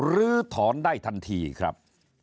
ลื้อถอนได้ทันทีครับ